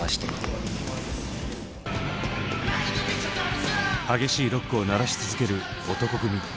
激しいロックを鳴らし続ける男闘呼組。